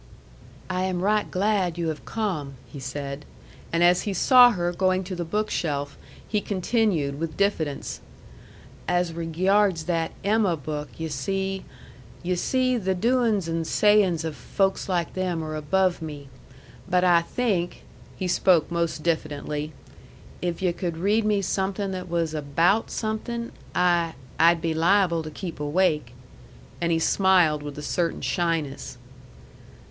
"I am right glad you have come," he said. And as he saw her going to the bookshelf, he continued, with diffidence: "As regyards that EMMA book, yu' see yu' see, the doin's and sayin's of folks like them are above me. But I think" (he spoke most diffidently), "if yu' could read me something that was ABOUT something, I I'd be liable to keep awake." And he smiled with a certain shyness.